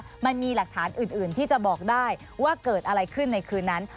มันมีหลักฐานอื่นที่จะบอกได้ว่าเกิดอะไรขึ้นในคืนนั้น